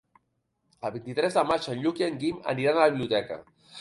El vint-i-tres de maig en Lluc i en Guim iran a la biblioteca.